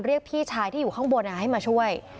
พี่ชายที่อยู่ข้างบนให้มาช่วย